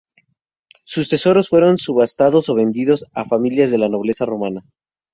Sus tesoros fueron subastados o vendidos a familias de la nobleza romana.